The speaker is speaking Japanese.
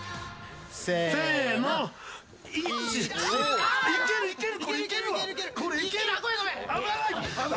せーの、いける、いける。